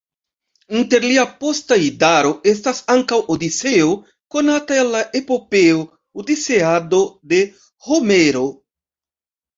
Inter lia posta idaro estas ankaŭ Odiseo, konata el la epopeo Odiseado de Homero.